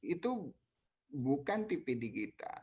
itu bukan tv digital